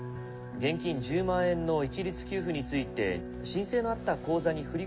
現金１０万円の一律給付について申請のあった口座に振り込む」。